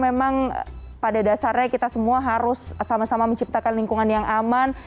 memang pada dasarnya kita semua harus sama sama menciptakan lingkungan yang aman